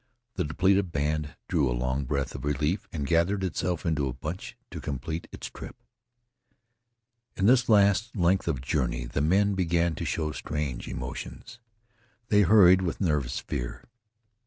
The depleted band drew a long breath of relief and gathered itself into a bunch to complete its trip. In this last length of journey the men began to show strange emotions. They hurried with nervous fear.